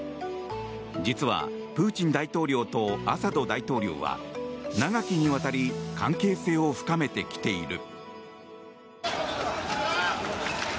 実はプーチン大統領とアサド大統領は長きにわたり関係性を深めてきている。